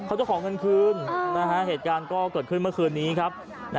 จะขอเงินคืนเหตุการณ์ก็เกิดขึ้นเมื่อคืนนี้ครับ